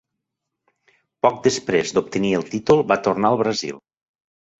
Poc després d'obtenir el títol, va tornar al Brasil.